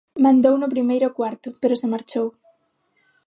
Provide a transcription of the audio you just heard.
Mandou no primeiro cuarto pero se marchou.